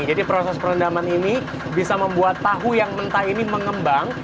jadi proses perendaman ini bisa membuat tahu yang mentah ini mengembang